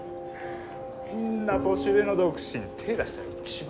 あんな年上の独身手ぇ出したら一番ヤバい。